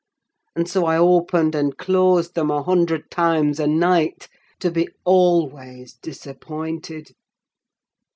And so I opened and closed them a hundred times a night—to be always disappointed!